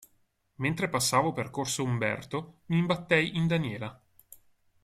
Mentre passavo per Corso Umberto, mi imbattei in Daniela.